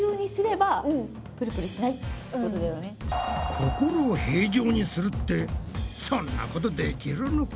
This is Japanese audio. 心を平常にするってそんなことできるのか？